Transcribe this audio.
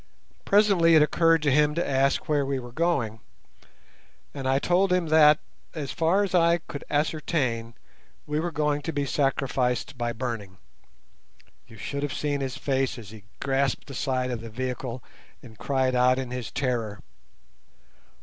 Presently it occurred to him to ask where we were going, and I told him that, as far as I could ascertain, we were going to be sacrificed by burning. You should have seen his face as he grasped the side of the vehicle and cried out in his terror.